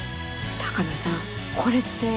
鷹野さんこれって。